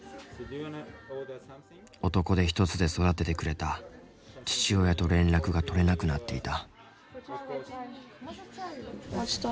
男手一つで育ててくれた父親と連絡が取れなくなっていた。